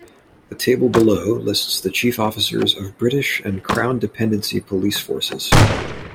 The table below lists the chief officers of British and Crown dependency police forces.